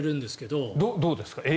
どうですか？